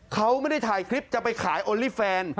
เขาไม่ได้ถ่ายคลิปจะไปขายโอลี่แฟน